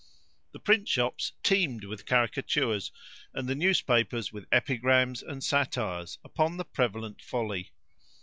The print shops teemed with caricatures, and the newspapers with epigrams and satires, upon the prevalent folly.